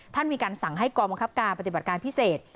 มีการสั่งให้กองบังคับการปฏิบัติการพิเศษ